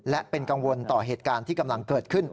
และเป็นกังวลต่อเหตุการณ์ที่กำลังเกิดขึ้น